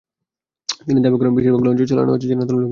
তিনি দাবি করেন, বেশির ভাগ লঞ্চ চালানো হচ্ছে যেনতেন লোক দিয়ে।